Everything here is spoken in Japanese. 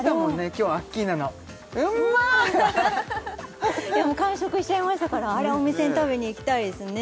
今日アッキーナの「うーまっ」がもう完食しちゃいましたからあれお店に食べにいきたいですね